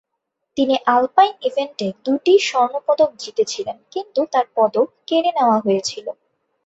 তিনি আলপাইন ইভেন্টে দুটি স্বর্ণ পদক জিতেছিলেন, কিন্তু তার পদক কেড়ে নেওয়া হয়েছিল।